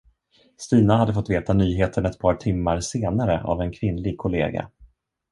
Stina hade fått veta nyheten ett par timmar senare av en kvinnlig kollega.